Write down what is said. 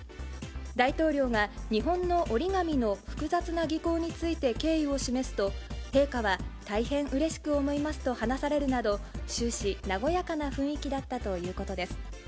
大統領が日本の折り紙の複雑な技巧について敬意を示すと、陛下は、大変うれしく思いますと話されるなど、終始、和やかな雰囲気だったということです。